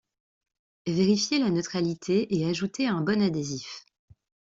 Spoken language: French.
Vérifier la neutralité et ajouter un bon adhésif.